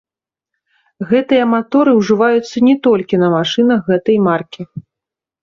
Гэтыя маторы ўжываюцца не толькі на машынах гэтай маркі.